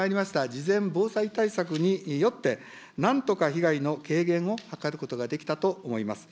事前防災対策によってなんとか被害の軽減を図ることができたと思います。